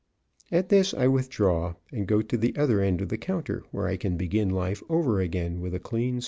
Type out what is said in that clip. At this I withdraw and go to the other end of the counter, where I can begin life over again with a clean slate.